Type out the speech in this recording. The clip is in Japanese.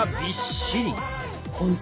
本当。